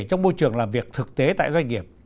trong môi trường làm việc thực tế tại doanh nghiệp